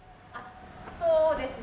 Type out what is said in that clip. そうですね。